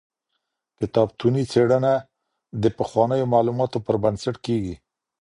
کتابتوني څېړنه د پخوانیو معلوماتو پر بنسټ کیږي.